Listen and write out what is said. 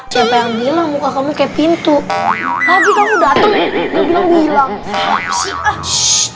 siapa yang bilang muka kamu ke pintu lagi kamu datang belum bilang